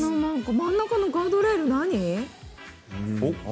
真ん中のガードレール何？